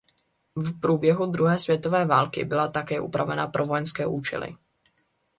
V průběhu druhé světové války byla také upravena pro vojenské účely.